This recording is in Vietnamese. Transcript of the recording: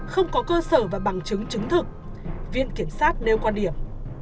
không có cơ sở và bằng chứng chứng thực viện kiểm sát nêu quan điểm